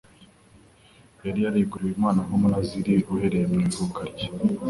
Yari yareguriwe Imana nk'umunaziri uhereye mw'ivuka rye